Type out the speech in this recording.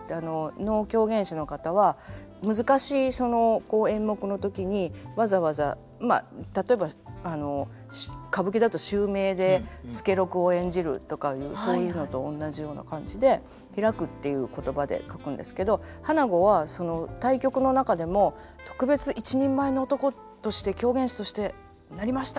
能狂言師の方は難しい演目の時にわざわざまあ例えば歌舞伎だと襲名で「助六」を演じるとかいうそういうのとおんなじような感じで「披く」っていう言葉で書くんですけど「花子」はその大曲の中でも「特別一人前の男として狂言師としてなりました！」